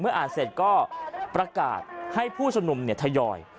เมื่ออ่านเสร็จก็ประกาศให้ผู้สมนุมเนี่ยทยอย